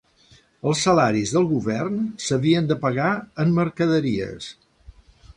Els salaris del govern s'havien de pagar en mercaderies.